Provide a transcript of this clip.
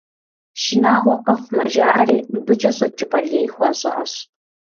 Шынагъуэ къэхъумэ, жаӏэри, мыбыкӏэ щӏэкӏыпӏэ лей хуащӏащ.